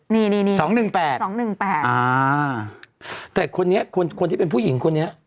นี่สองหนึ่งแปดสองหนึ่งแปดอ่าแต่คนนี้คนที่เป็นผู้หญิงคนนี้